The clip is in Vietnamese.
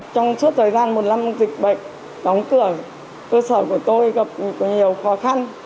trong suốt thời gian một năm dịch bệnh đóng cửa cơ sở của tôi gặp nhiều khó khăn